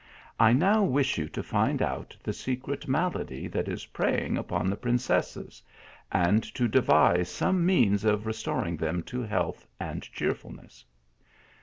I now wish you to find out the secret malady that is preying upoa the princesses, and to devise some means of restor ing them to health and cheerfulness."